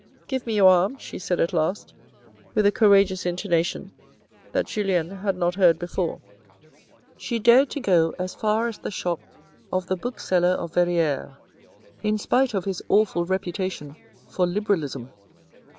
" Give me your arm," she said at last, with a courageous intonation that Julien had not heard before. She dared to go as far as the shop of the bookseller of Verrieres, in spite of his awful reputation for Liberalism.